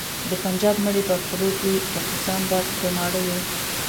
د بنجاب مړی به پروت وي ټپوسان به په ماړه وي.